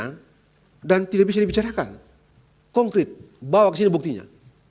hai dan tidak bisa dibicarakan konkret bawa ke sini buktinya